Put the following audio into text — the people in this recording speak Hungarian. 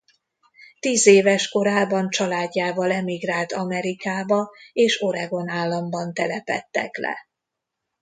Tízéves korában családjával emigrált Amerikába és Oregon államban telepedtek le.